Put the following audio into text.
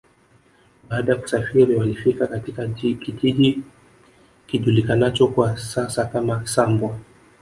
Baada ya kusafiri walifika katika kijiji kijulikanacho kwa sasa kama Sambwa